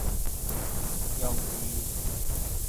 陽字